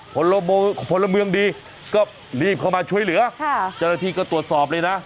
ผลเมืองดีก็รีบเข้ามาช่วยเหลือจรฐีก็ตรวจสอบเลยนะ